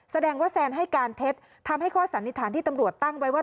แสดงว่าแซนให้การเท็จทำให้ข้อสันนิษฐานที่ตำรวจตั้งไว้ว่า